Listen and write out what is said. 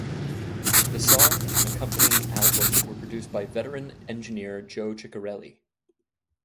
The song and accompanying album were produced by veteran engineer Joe Chiccarelli.